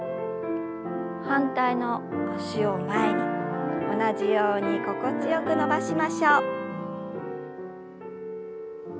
反対の脚を前に同じように心地よく伸ばしましょう。